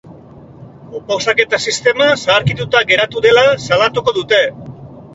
Oposaketa sistema zaharkituta geratu dela salatuko dute.